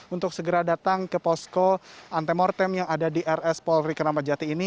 untuk segera datang ke posko antemortem yang ada di rs polri keramat jati ini